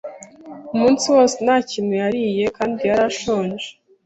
Umunsi wose nta kintu yariye kandi yari ashonje.